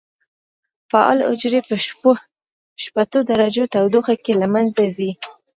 فعالې حجرې په شپېتو درجو تودوخه کې له منځه ځي.